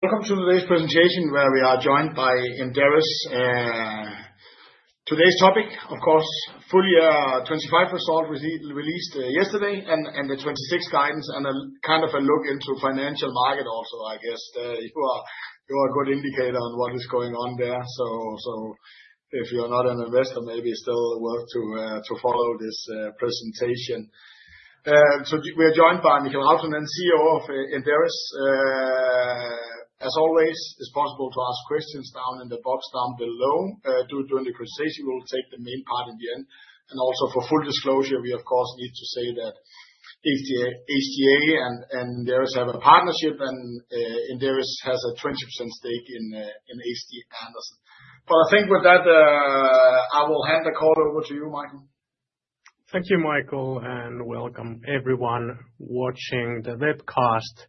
Welcome to today's presentation, where we are joined by Inderes. Today's topic, of course, full year 2025 results released yesterday and the 2026 guidance and a kind of a look into financial market also, I guess. You are a good indicator on what is going on there. So if you're not an investor, maybe it's still worth to follow this presentation. So we are joined by Mikael Rautanen, CEO of Inderes. As always, it's possible to ask questions down in the box down below. During the questions, we will take the main part in the end. And also for full disclosure, we, of course, need to say that HCA and Inderes have a partnership, and Inderes has a 20% stake in HC Andersen. But I think with that, I will hand the call over to you, Mikael. Thank you, Michael, and welcome everyone watching the webcast.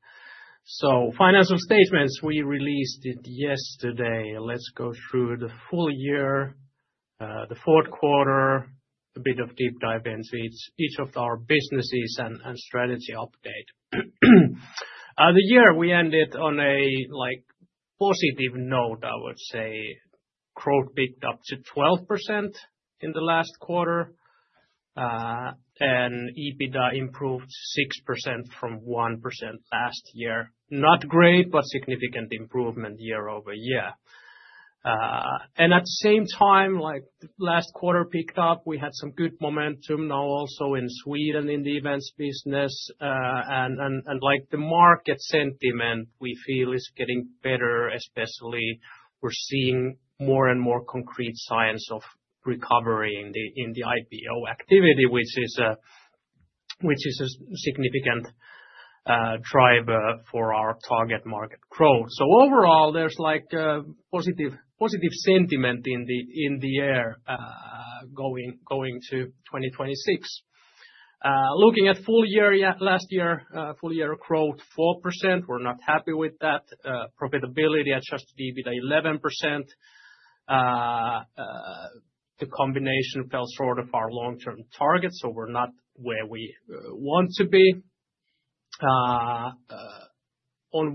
So financial statements we released it yesterday. Let's go through the full year, the fourth quarter, a bit of deep dive into each of our businesses and strategy update. The year we ended on a, like, positive note, I would say. Growth picked up to 12% in the last quarter. EBITDA improved 6% from 1% last year. Not great, but significant improvement year-over-year. At the same time, like, last quarter picked up. We had some good momentum now also in Sweden in the events business. And, like, the market sentiment we feel is getting better, especially we're seeing more and more concrete signs of recovery in the IPO activity, which is a significant driver for our target market growth. So overall, there's, like, a positive sentiment in the air, going to 2026. Looking at full year yeah last year, full year growth 4%. We're not happy with that. Profitability adjusted EBITDA 11%. The combination fell short of our long-term target, so we're not where we want to be. On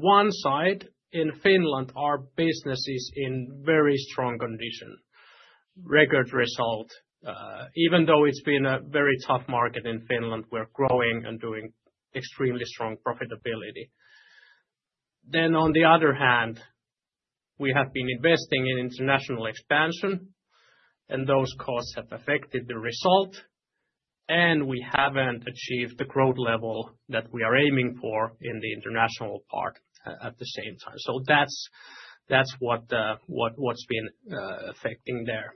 one side, in Finland, our business is in very strong condition. Record result. Even though it's been a very tough market in Finland, we're growing and doing extremely strong profitability. Then on the other hand, we have been investing in international expansion, and those costs have affected the result, and we haven't achieved the growth level that we are aiming for in the international part at the same time. So that's what has been affecting there.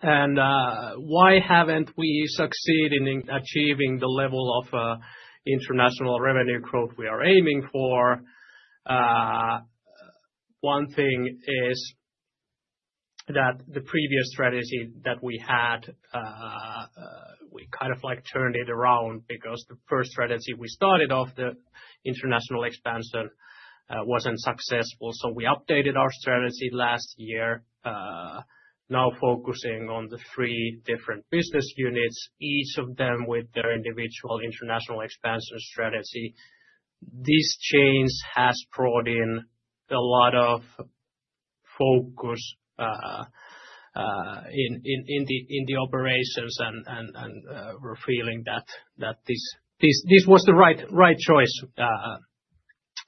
And why haven't we succeeded in achieving the level of international revenue growth we are aiming for? One thing is that the previous strategy that we had, we kind of, like, turned it around because the first strategy we started off, the international expansion, wasn't successful. So we updated our strategy last year, now focusing on the three different business units, each of them with their individual international expansion strategy. This change has brought in a lot of focus in the operations, and we're feeling that this was the right choice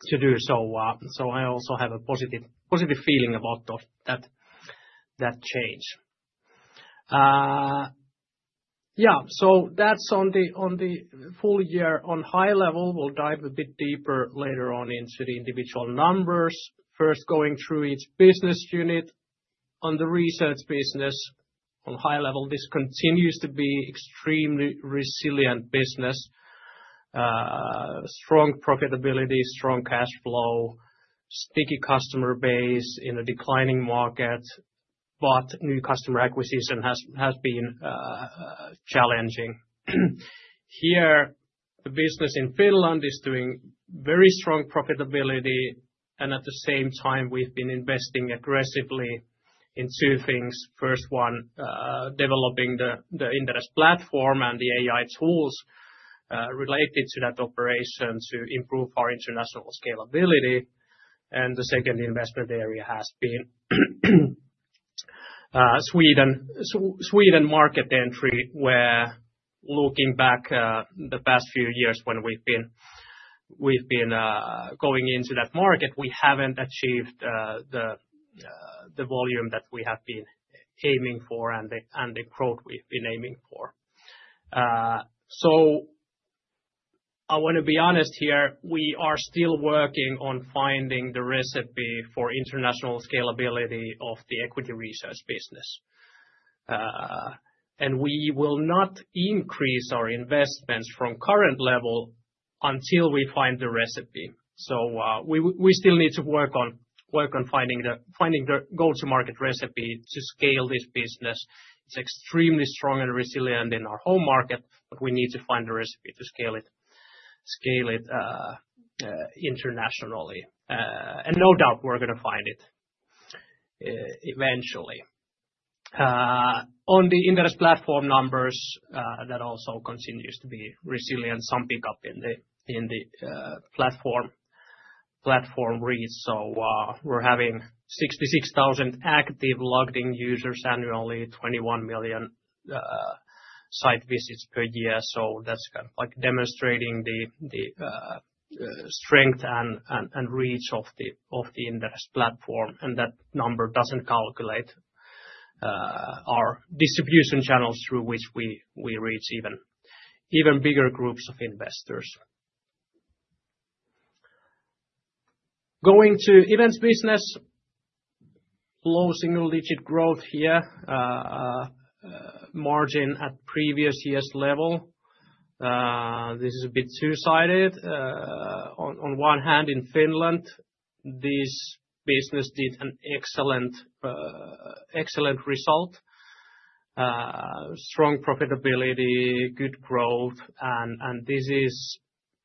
to do. So I also have a positive feeling about that change. Yeah, so that's on the full year on high level. We'll dive a bit deeper later on into the individual numbers. First, going through each business unit, the research business on high level. This continues to be extremely resilient business. Strong profitability, strong cash flow, sticky customer base in a declining market, but new customer acquisition has been challenging. Here, the business in Finland is doing very strong profitability, and at the same time, we've been investing aggressively in two things. First one, developing the Inderes platform and the AI tools related to that operation to improve our international scalability. And the second investment area has been Sweden market entry, where looking back, the past few years when we've been going into that market, we haven't achieved the volume that we have been aiming for and the growth we've been aiming for. So I want to be honest here, we are still working on finding the recipe for international scalability of the equity research business. And we will not increase our investments from current level until we find the recipe. So, we still need to work on finding the go-to-market recipe to scale this business. It's extremely strong and resilient in our home market, but we need to find the recipe to scale it internationally. And no doubt we're going to find it, eventually. On the Inderes platform numbers, that also continues to be resilient. Some pick up in the platform reach. So, we're having 66,000 active logged in users annually, 21 million site visits per year. So that's kind of, like, demonstrating the strength and reach of the Inderes platform. And that number doesn't calculate our distribution channels through which we reach even bigger groups of investors. Going to events business, low single-digit growth here, margin at previous year's level. This is a bit two-sided. On one hand, in Finland, this business did an excellent, excellent result. Strong profitability, good growth. And this is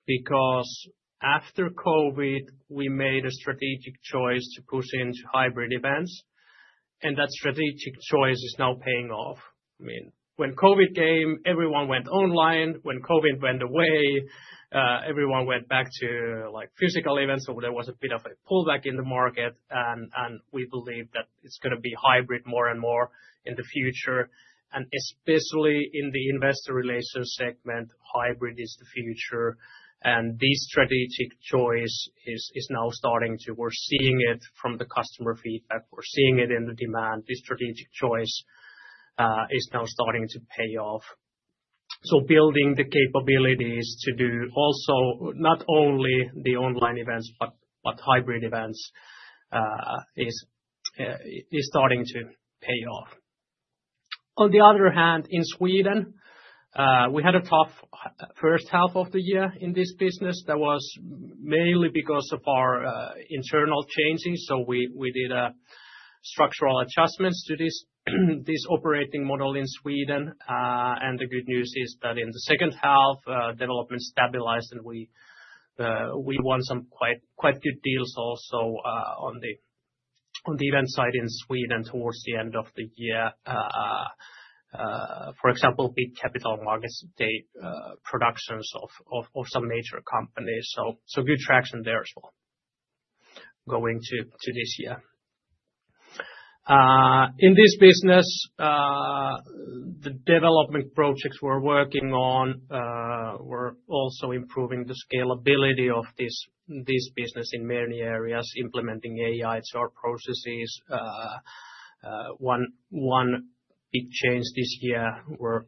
because after COVID, we made a strategic choice to push into hybrid events, and that strategic choice is now paying off. I mean, when COVID came, everyone went online. When COVID went away, everyone went back to, like, physical events. So there was a bit of a pullback in the market, and we believe that it's going to be hybrid more and more in the future. And especially in the investor relations segment, hybrid is the future. And this strategic choice is, is now starting to. We're seeing it from the customer feedback. We're seeing it in the demand. This strategic choice is now starting to pay off. So building the capabilities to do also not only the online events but hybrid events is starting to pay off. On the other hand, in Sweden, we had a tough first half of the year in this business. That was mainly because of our internal changes. So we did a structural adjustments to this operating model in Sweden. And the good news is that in the second half, development stabilized and we won some quite good deals also, on the event site in Sweden towards the end of the year. For example, big Capital Markets Day productions of some major companies. So good traction there as well going to this year. In this business, the development projects we're working on, we're also improving the scalability of this business in many areas, implementing AI to our processes. One big change this year, we're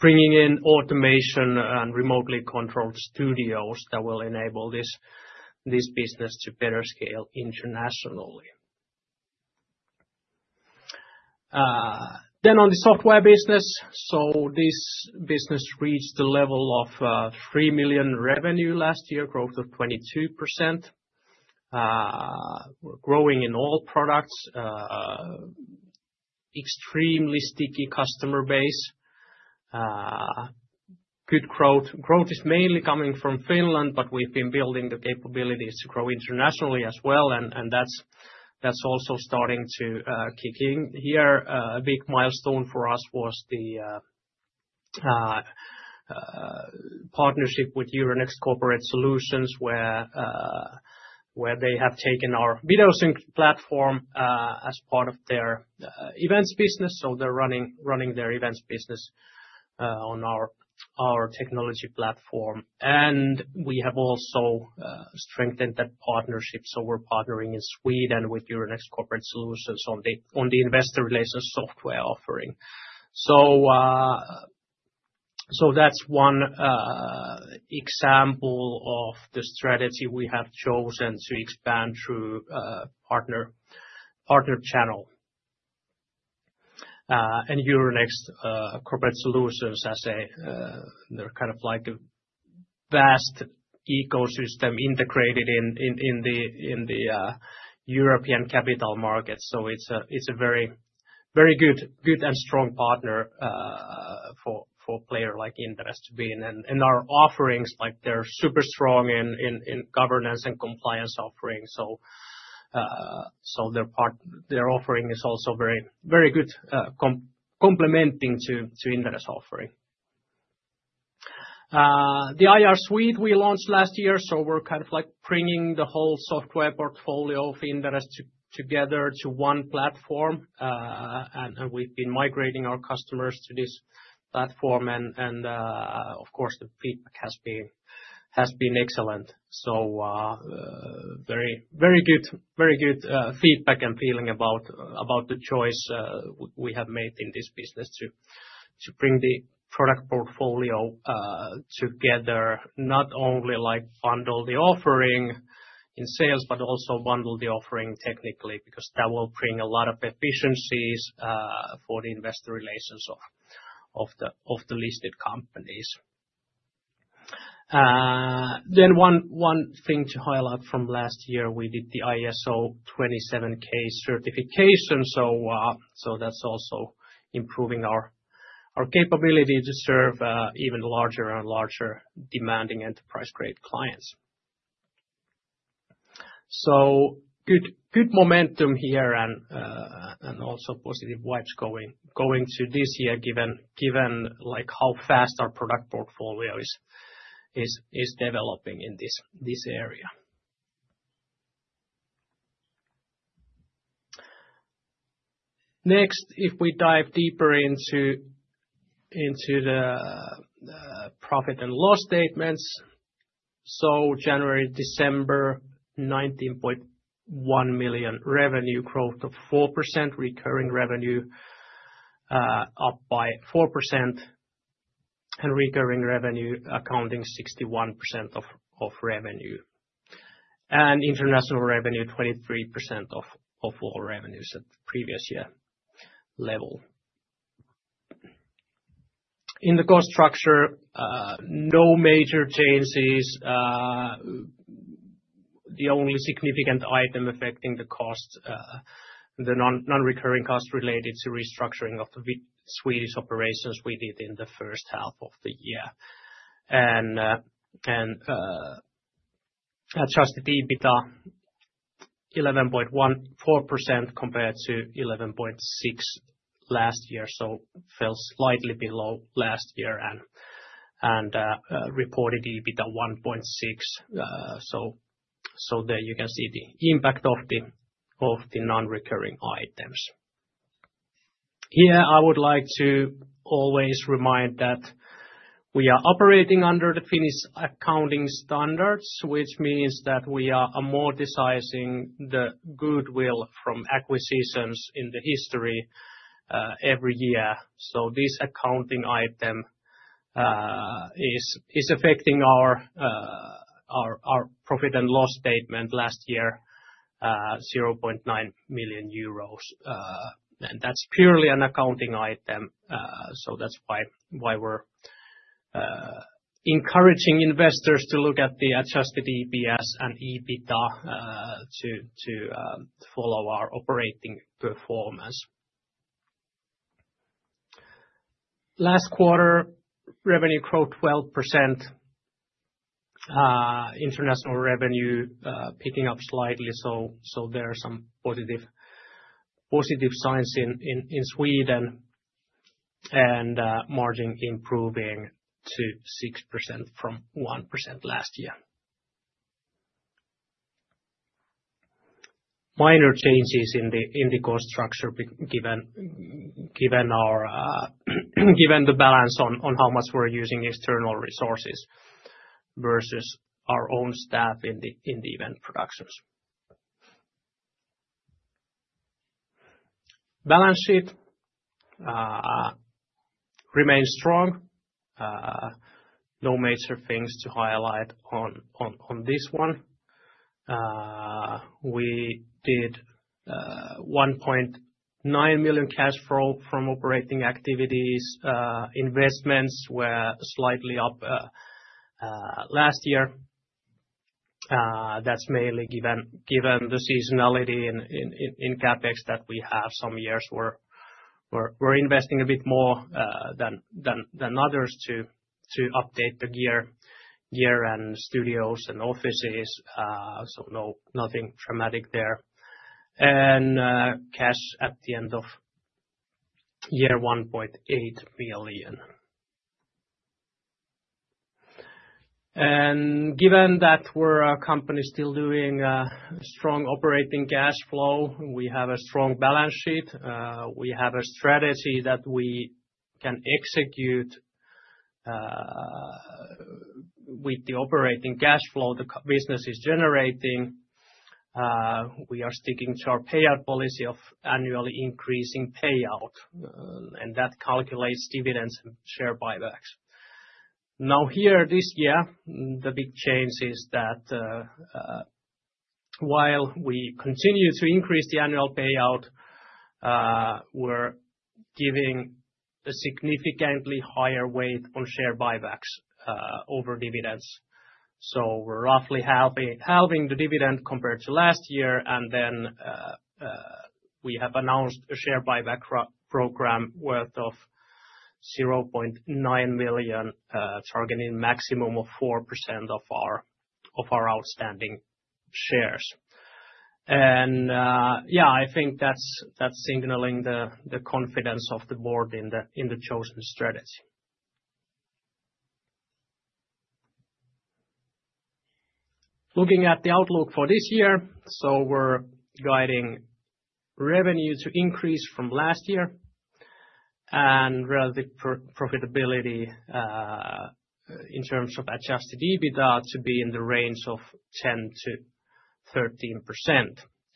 bringing in automation and remotely controlled studios that will enable this business to better scale internationally. Then on the software business, so this business reached the level of 3 million revenue last year, growth of 22%. We're growing in all products, extremely sticky customer base. Good growth. Growth is mainly coming from Finland, but we've been building the capabilities to grow internationally as well. And that's also starting to kick in here. A big milestone for us was the partnership with Euronext Corporate Solutions, where they have taken our Videosync platform, as part of their events business. So they're running their events business on our technology platform. And we have also strengthened that partnership. So we're partnering in Sweden with Euronext Corporate Solutions on the investor relations software offering. So that's one example of the strategy we have chosen to expand through partner channel. And Euronext Corporate Solutions, as they're kind of like a vast ecosystem integrated in the European capital markets. So it's a very good and strong partner for a player like Inderes to be in. And our offerings, like, they're super strong in governance and compliance offering. So their offering is also very good, complementing to Inderes offering, the IR Suite we launched last year. So we're kind of, like, bringing the whole software portfolio of Inderes together to one platform. And we've been migrating our customers to this platform. And, of course, the feedback has been excellent. So, very, very good, very good feedback and feeling about the choice we have made in this business to bring the product portfolio together, not only, like, bundle the offering in sales, but also bundle the offering technically, because that will bring a lot of efficiencies for the investor relations of the listed companies. Then, one thing to highlight from last year, we did the ISO 27001 certification. So, that's also improving our capability to serve even larger and larger demanding enterprise-grade clients. So good, good momentum here and also positive vibes going through this year, given, like, how fast our product portfolio is developing in this area. Next, if we dive deeper into the profit and loss statements. So January, December, 19.1 million revenue growth of 4%, recurring revenue up by 4% and recurring revenue accounting 61% of revenue and international revenue 23% of all revenues at previous year level. In the cost structure, no major changes. The only significant item affecting the cost, the non-recurring cost related to restructuring of the Swedish operations we did in the first half of the year and adjusted EBITDA 11.14% compared to 11.6% last year, so fell slightly below last year and reported EBITDA 1.6%. So there you can see the impact of the non-recurring items. Here, I would like to always remind that we are operating under the Finnish accounting standards, which means that we are amortizing the goodwill from acquisitions in the history, every year. So this accounting item is affecting our profit and loss statement last year, 0.9 million euros. That's purely an accounting item. That's why we're encouraging investors to look at the adjusted EPS and EBITDA to follow our operating performance. Last quarter revenue growth 12%. International revenue picking up slightly. So there are some positive signs in Sweden and margin improving to 6% from 1% last year. Minor changes in the cost structure given the balance on how much we're using external resources versus our own staff in the event productions. Balance sheet remains strong. No major things to highlight on this one. We did 1.9 million cash flow from operating activities. Investments were slightly up last year. That's mainly given the seasonality in CapEx that we have. Some years we're investing a bit more than others to update the gear and studios and offices. So no, nothing dramatic there. And cash at the end of the year EUR 1.8 million. And given that we're a company still doing strong operating cash flow, we have a strong balance sheet. We have a strategy that we can execute with the operating cash flow the business is generating. We are sticking to our payout policy of annually increasing payout, and that calculates dividends and share buybacks. Now here, this year, the big change is that while we continue to increase the annual payout, we're giving a significantly higher weight on share buybacks over dividends. So we're roughly halving the dividend compared to last year. And then, we have announced a share buyback program worth 0.9 million, targeting maximum of 4% of our outstanding shares. And, yeah, I think that's signaling the confidence of the board in the chosen strategy. Looking at the outlook for this year, so we're guiding revenue to increase from last year and relative profitability, in terms of adjusted EBITDA to be in the range of 10%-13%.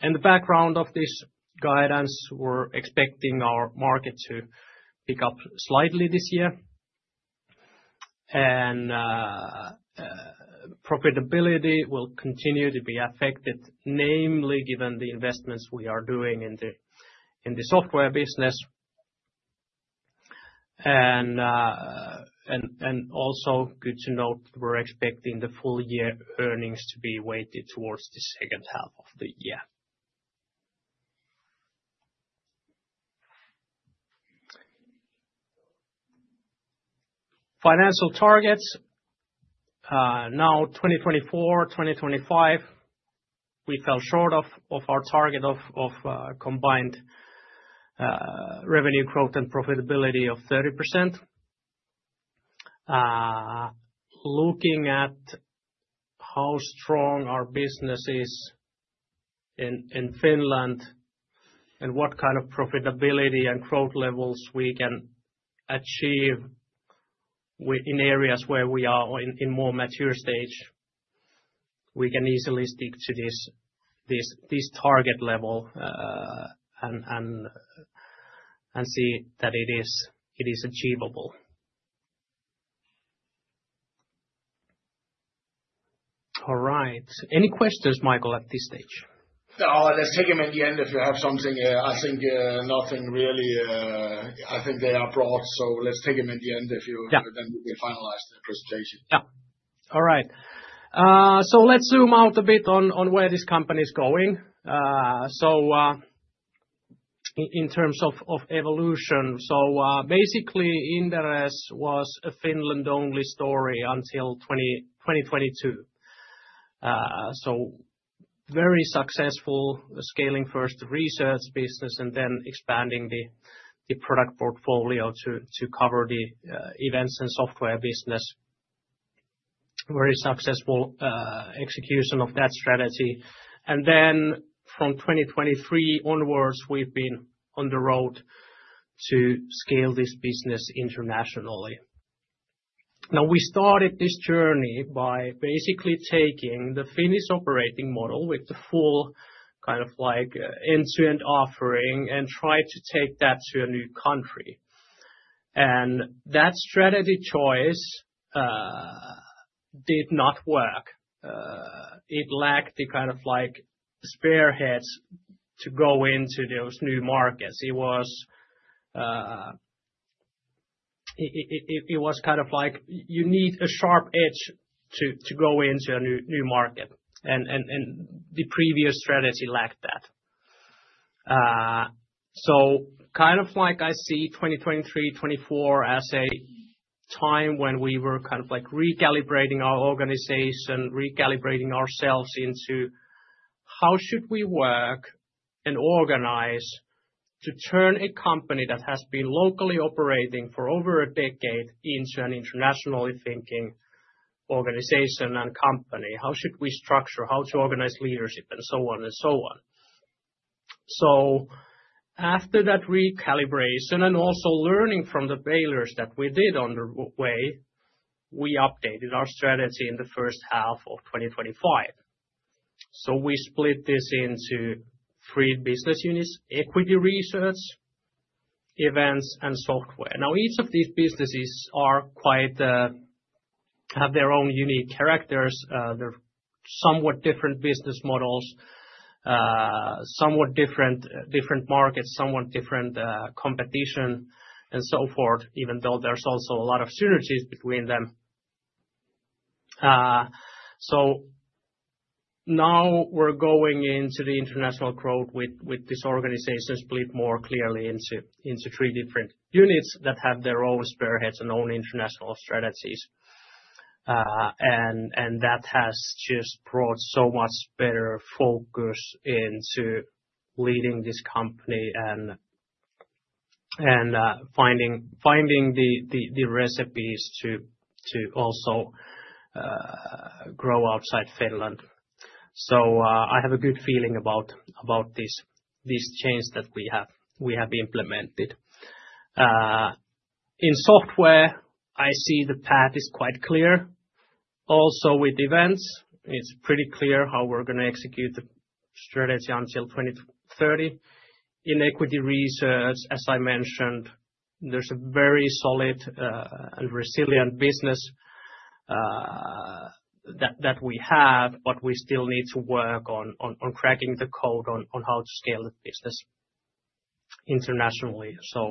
And the background of this guidance, we're expecting our market to pick up slightly this year. And, profitability will continue to be affected, namely given the investments we are doing in the software business. And, also good to note that we're expecting the full year earnings to be weighted towards the second half of the year. Financial targets. In 2024-2025, we fell short of our target of combined revenue growth and profitability of 30%. Looking at how strong our business is in Finland and what kind of profitability and growth levels we can achieve in areas where we are in more mature stage, we can easily stick to this target level, and see that it is achievable. All right. Any questions, Michael, at this stage? No, let's take them at the end if you have something. I think nothing really. I think they are broad. Let's take them at the end if you, then we can finalize the presentation. Yeah. All right. Let's zoom out a bit on where this company is going. In terms of evolution. So, basically Inderes was a Finland-only story until 2022. Very successful scaling first the research business and then expanding the product portfolio to cover the events and software business. Very successful execution of that strategy. Then from 2023 onwards, we've been on the road to scale this business internationally. Now, we started this journey by basically taking the Finnish operating model with the full kind of like end-to-end offering and tried to take that to a new country. And that strategy choice did not work. It lacked the kind of like spearheads to go into those new markets. It was kind of like you need a sharp edge to go into a new market. And the previous strategy lacked that. So kind of like I see 2023-2024 as a time when we were kind of like recalibrating our organization, recalibrating ourselves into how should we work and organize to turn a company that has been locally operating for over a decade into an internationally thinking organization and company? How should we structure? How to organize leadership and so on and so on. So after that recalibration and also learning from the failures that we did on the way, we updated our strategy in the first half of 2025. So we split this into three business units: equity research, events, and software. Now, each of these businesses are quite have their own unique characters. They're somewhat different business models, somewhat different markets, somewhat different competition, and so forth, even though there's also a lot of synergies between them. So now we're going into the international growth with this organization split more clearly into three different units that have their own spearheads and own international strategies. And that has just brought so much better focus into leading this company and finding the recipes to also grow outside Finland. So, I have a good feeling about this change that we have implemented. In software, I see the path is quite clear. Also with events, it's pretty clear how we're going to execute the strategy until 2030. In equity research, as I mentioned, there's a very solid and resilient business that we have, but we still need to work on cracking the code on how to scale the business internationally. So,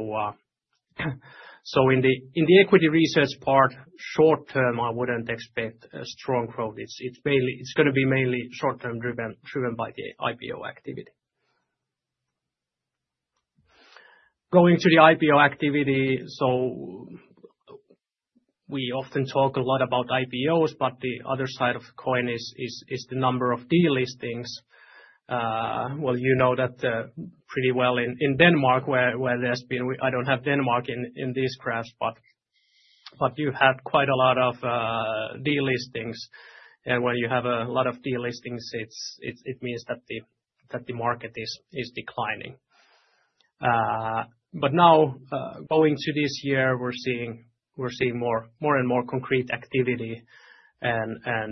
in the equity research part, short term, I wouldn't expect a strong growth. It's mainly going to be mainly short term driven by the IPO activity. Going to the IPO activity. So we often talk a lot about IPOs, but the other side of the coin is the number of delistings. Well, you know that pretty well in Denmark where there's been. I don't have Denmark in these graphs, but you have quite a lot of delistings. When you have a lot of delistings, it means that the market is declining. But now, going to this year, we're seeing more and more concrete activity. And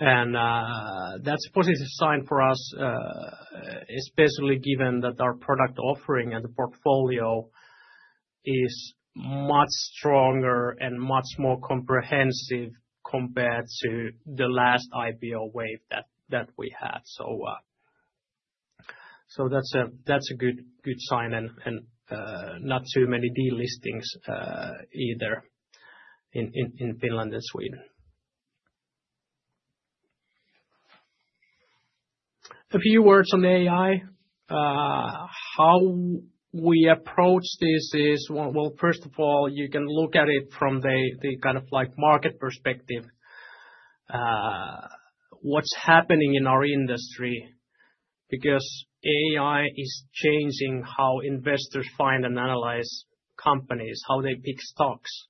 that's a positive sign for us, especially given that our product offering and the portfolio is much stronger and much more comprehensive compared to the last IPO wave that we had. So that's a good sign. And not too many delistings, either in Finland and Sweden. A few words on AI. How we approach this is, well, first of all, you can look at it from the kind of like market perspective. What's happening in our industry because AI is changing how investors find and analyze companies, how they pick stocks,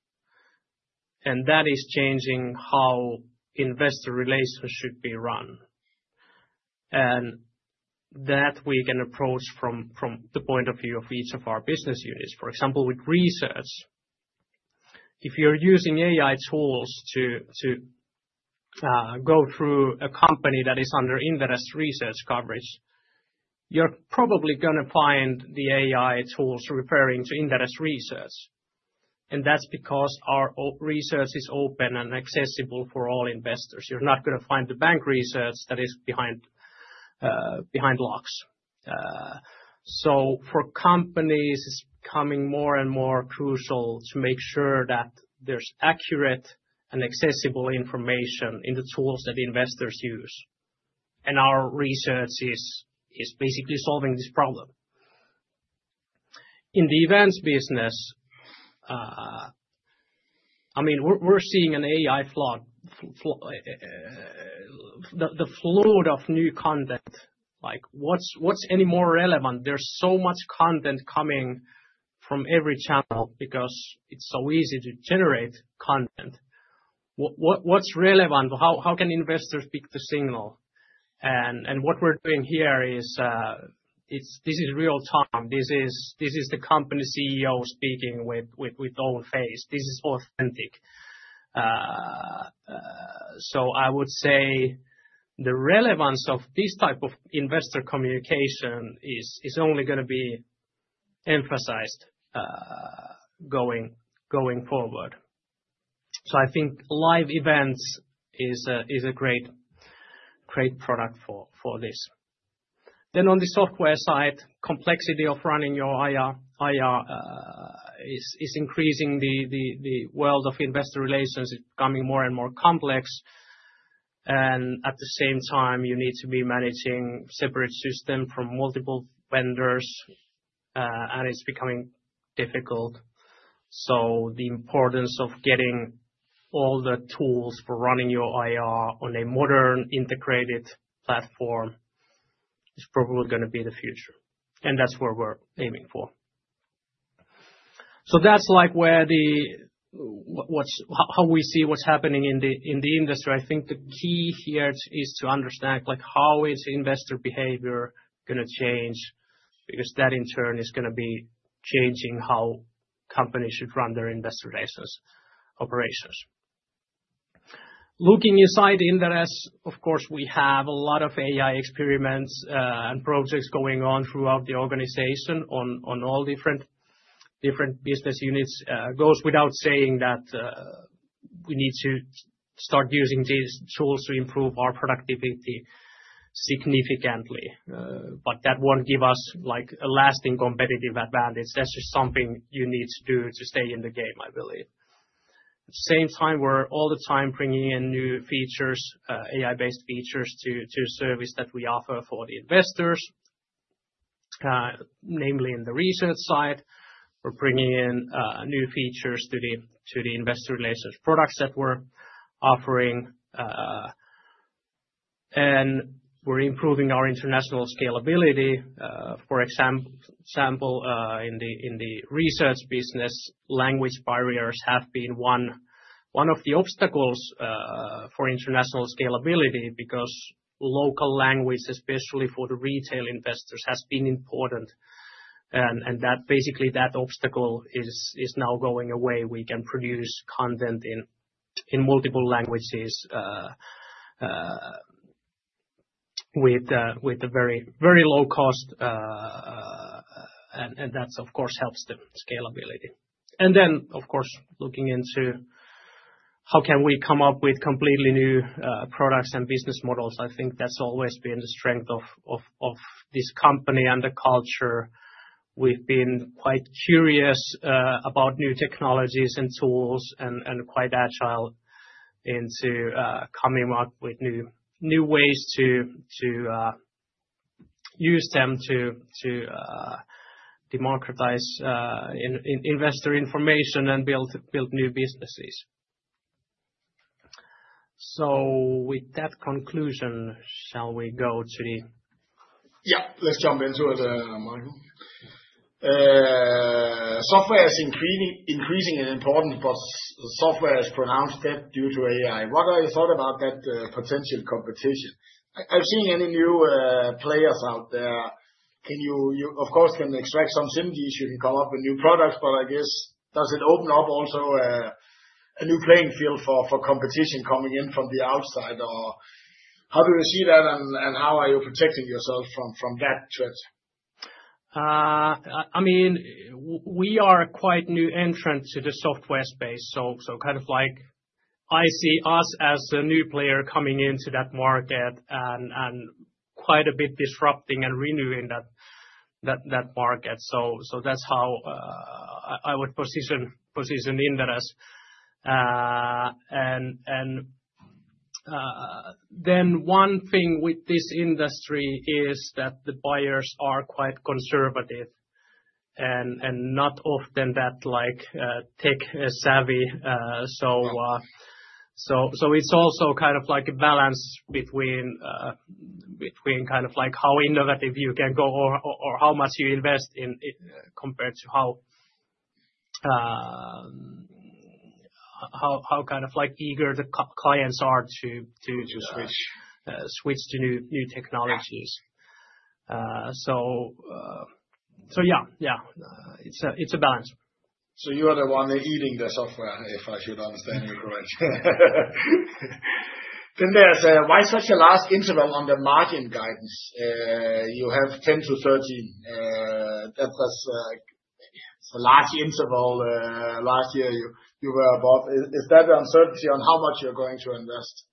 and that is changing how investor relations should be run. And that we can approach from the point of view of each of our business units. For example, with research, if you're using AI tools to go through a company that is under Inderes research coverage, you're probably going to find the AI tools referring to Inderes research. And that's because our research is open and accessible for all investors. You're not going to find the bank research that is behind locks. So for companies, it's becoming more and more crucial to make sure that there's accurate and accessible information in the tools that investors use. And our research is basically solving this problem. In the events business, I mean, we're seeing an AI flood, the flood of new content. Like what's any more relevant? There's so much content coming from every channel because it's so easy to generate content. What's relevant? How can investors pick the signal? And what we're doing here is it's this is real time. This is the company CEO speaking with their own face. This is authentic. So I would say the relevance of this type of investor communication is only going to be emphasized, going forward. So I think live events is a great product for this. Then on the software side, complexity of running your IR is increasing. The world of investor relations is becoming more and more complex. And at the same time, you need to be managing separate systems from multiple vendors, and it's becoming difficult. So the importance of getting all the tools for running your IR on a modern integrated platform is probably going to be the future. And that's where we're aiming for. So that's like where the what's how we see what's happening in the industry. I think the key here is to understand like how is investor behavior going to change because that in turn is going to be changing how companies should run their investor relations operations. Looking inside Inderes, of course, we have a lot of AI experiments and projects going on throughout the organization on all different business units. Goes without saying that, we need to start using these tools to improve our productivity significantly, but that won't give us like a lasting competitive advantage. That's just something you need to do to stay in the game, I believe. At the same time, we're all the time bringing in new features, AI-based features to service that we offer for the investors, namely in the research side. We're bringing in new features to the investor relations products that we're offering, and we're improving our international scalability. For example, in the research business, language barriers have been one of the obstacles for international scalability because local language, especially for the retail investors, has been important. And basically, that obstacle is now going away. We can produce content in multiple languages with a very low cost. And that, of course, helps the scalability. And then, of course, looking into how can we come up with completely new products and business models? I think that's always been the strength of this company and the culture. We've been quite curious about new technologies and tools and quite agile into coming up with new ways to use them to democratize investor information and build new businesses. So with that conclusion, shall we go to the. Yeah, let's jump into it, Mikael. Software is increasingly important, but software is pronounced dead due to AI. What are your thoughts about that potential competition? I've seen any new players out there. Can you, of course, extract some synergies. You can come up with new products, but I guess does it open up also a new playing field for competition coming in from the outside or how do you see that and how are you protecting yourself from that threat? I mean, we are a quite new entrant to the software space. So kind of like I see us as a new player coming into that market and quite a bit disrupting and renewing that market. So that's how I would position Inderes. And then one thing with this industry is that the buyers are quite conservative and not often that like tech-savvy. So it's also kind of like a balance between kind of like how innovative you can go or how much you invest in compared to how kind of like eager the clients are to switch to new technologies. So yeah, it's a balance. So you are the one eating the software, if I should understand you correctly. Then there's why such a large interval on the margin guidance? You have 10%-13%. That was it's a large interval. Last year you were above. Is that the uncertainty on how much you're going to invest?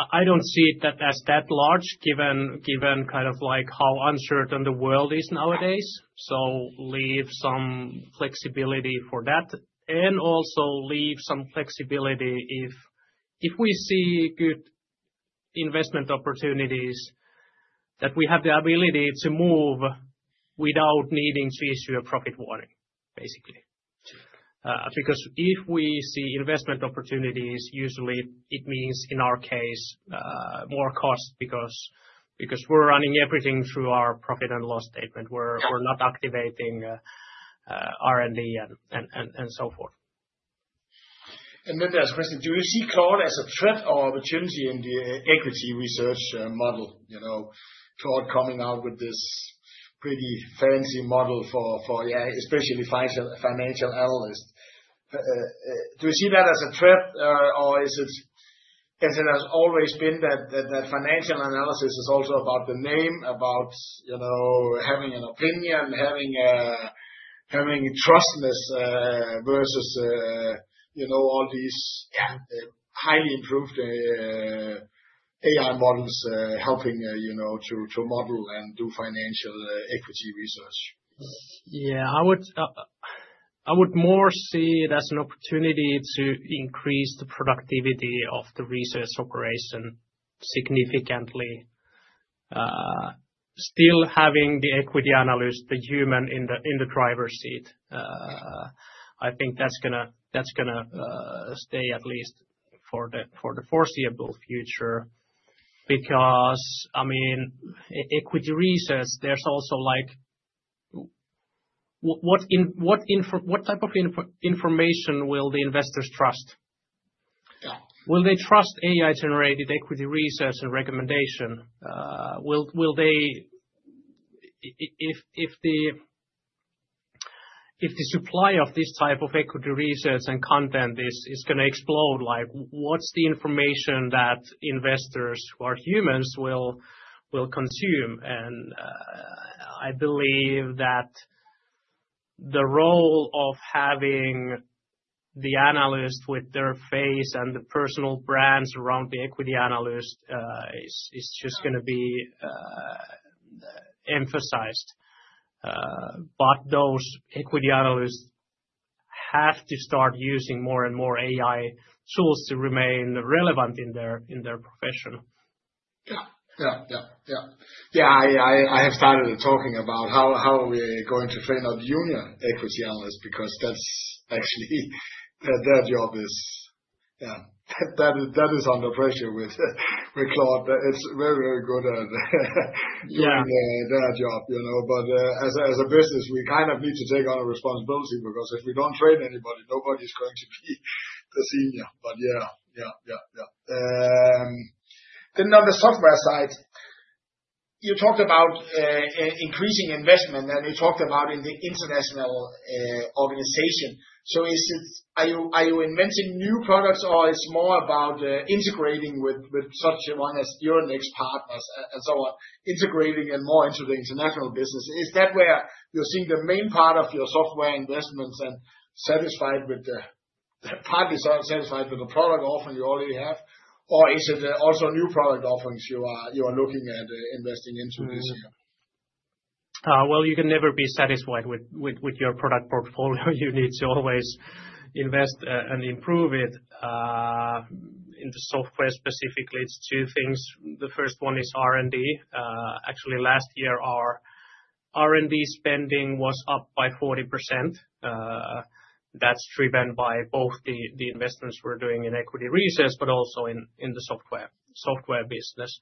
I don't see it as that large, given kind of like how uncertain the world is nowadays. So leave some flexibility for that and also leave some flexibility if we see good investment opportunities that we have the ability to move without needing to issue a profit warning, basically. Because if we see investment opportunities, usually it means in our case, more cost because we're running everything through our profit and loss statement. We're not activating R&D and so forth. And then there's a question. Do you see Claude as a threat or opportunity in the equity research model? You know, Claude coming out with this pretty fancy model for yeah, especially financial analysts. Do you see that as a threat or is it as it has always been that financial analysis is also about the name, about, you know, having an opinion and having trustworthiness versus, you know, all these highly improved AI models helping, you know, to model and do financial equity research? Yeah, I would more see it as an opportunity to increase the productivity of the research operation significantly, still having the equity analyst, the human, in the driver's seat. I think that's going to stay at least for the foreseeable future because, I mean, equity research, there's also like what type of information will the investors trust? Yeah, will they trust AI-generated equity research and recommendation? Will they? If the supply of this type of equity research and content is going to explode, like what's the information that investors who are humans will consume? And I believe that. The role of having the analyst with their face and the personal brands around the equity analyst is just going to be emphasized. But those equity analysts have to start using more and more AI tools to remain relevant in their profession. Yeah, yeah, yeah, yeah, yeah. I have started talking about how we're going to train up junior equity analysts because that's actually their job is. Yeah, that is under pressure with Claude. It's very, very good at doing their job, you know. But as a business, we kind of need to take on a responsibility because if we don't train anybody, nobody's going to be the senior. But yeah, yeah, yeah, yeah. Then on the software side. You talked about increasing investment and you talked about in the international organization. So is it, are you inventing new products or it's more about integrating with such one as Euronext Partners and so on, integrating and more into the international business? Is that where you're seeing the main part of your software investments and partly satisfied with the product offering you already have? Or is it also new product offerings you are looking at investing into this year? Well, you can never be satisfied with your product portfolio. You need to always invest and improve it. In the software specifically, it's two things. The first one is R&D. Actually, last year our R&D spending was up by 40%. That's driven by both the investments we're doing in equity research, but also in the software business.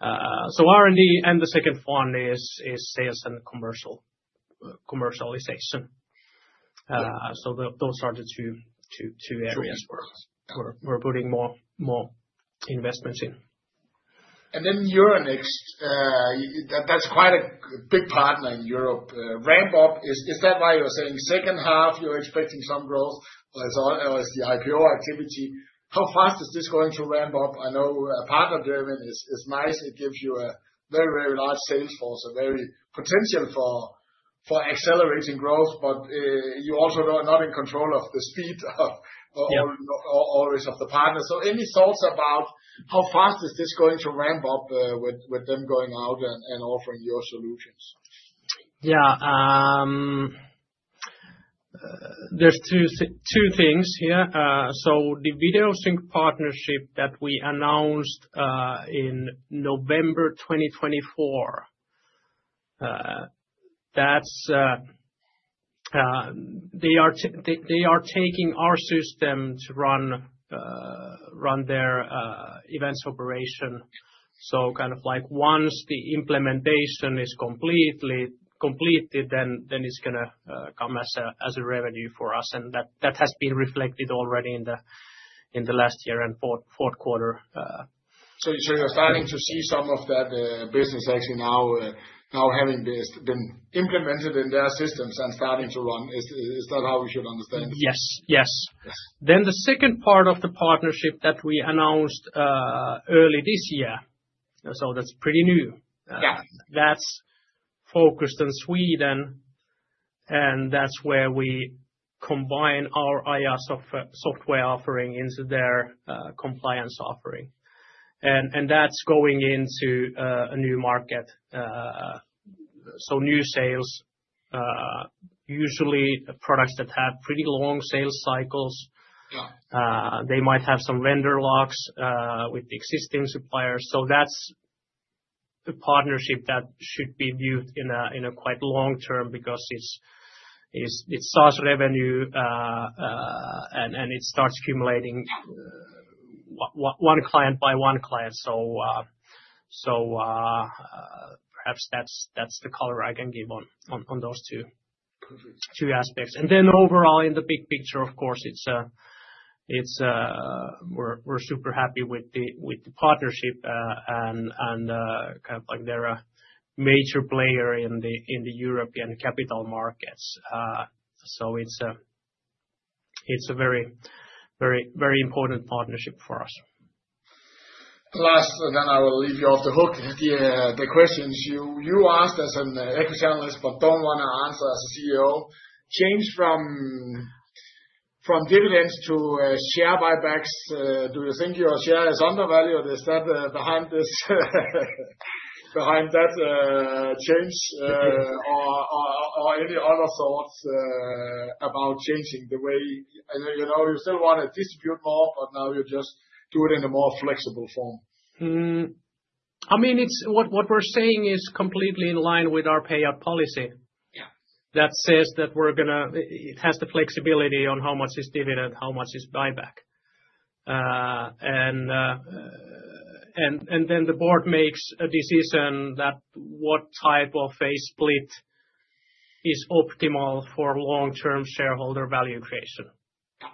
So R&D and the second fund is sales and commercialization. So those are the two areas where we're putting more investments in. And then Euronext, that's quite a big partner in Europe. Ramp up. Is that why you're saying second half you're expecting some growth or is all the IPO activity? How fast is this going to ramp up? I know a partner driven is nice. It gives you a very, very large sales force, a very potential for accelerating growth. But you also are not in control of the speed of or always of the partners. So any thoughts about how fast is this going to ramp up with them going out and offering your solutions? Yeah. There's two things here. So the Videosync partnership that we announced in November 2024. That's. They are taking our system to run their events operation. So kind of like once the implementation is completely completed, then it's going to come as a revenue for us. And that has been reflected already in the last year and fourth quarter. So you're starting to see some of that business actually now having been implemented in their systems and starting to run. Is that how we should understand it? Yes, yes. Then the second part of the partnership that we announced early this year. So that's pretty new. Yeah, that's focused on Sweden and that's where we combine our IR software offering into their compliance offering. And that's going into a new market. So new sales. Usually products that have pretty long sales cycles. Yeah, they might have some vendor locks with the existing suppliers. So that's a partnership that should be viewed in a quite long term because it's SaaS revenue and it starts accumulating one client by one client. So perhaps that's the color I can give on those two aspects. And then overall in the big picture, of course, it's a we're super happy with the partnership and kind of like they're a major player in the European capital markets. So it's a very, very, very important partnership for us. Last, then I will leave you off the hook. The questions you asked as an equity analyst, but don't want to answer as a CEO change from dividends to share buybacks. Do you think your share is undervalued? Is that behind this change or any other thoughts about changing the way you know, you still want to distribute more, but now you just do it in a more flexible form? I mean, it's what we're saying is completely in line with our payout policy. Yeah. That says that we're going to it has the flexibility on how much is dividend, how much is buyback. And then the board makes a decision that what type of phase split is optimal for long term shareholder value creation. Yeah.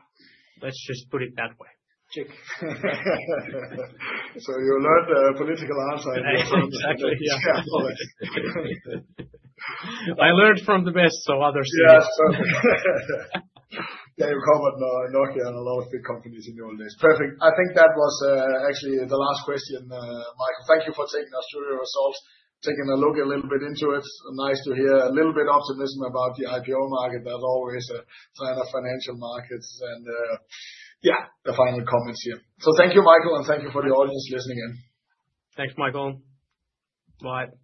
Let's just put it that way. Check. So you learned a political answer in this one. Exactly. Yeah. I learned from the best. So others. Yeah. You covered Nokia and a lot of big companies in the old days. Perfect. I think that was actually the last question. Mikael, thank you for taking us through your results, taking a look a little bit into it. Nice to hear a little bit of optimism about the IPO market. That's always a sign of financial markets. And yeah, the final comments here. So thank you, Mikael, and thank you for the audience listening in. Thanks, Michael. Bye. Bye.